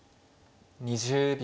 ２０秒。